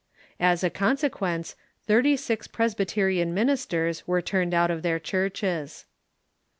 As a conse quence, thirty six Presbyterian ministers were turned out of their churches.